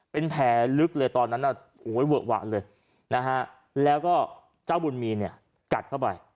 เป็นแผลลึกเลยตอนนั้นเวอะหวะเลยนะฮะแล้วก็เจ้าบุญมีเนี่ยกัดเข้าไป